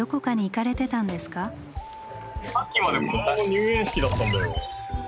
さっきまで子どもの入園式だったんだよ。